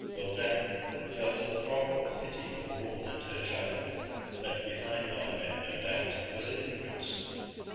Guldran felt a throb of pity for the woman and her child, left behind by the men, no doubt, as a hindrance.